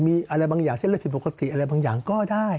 มีอะไรบางอย่างเส้นเรื่องผิดปกติอะไรบางอย่างก็ได้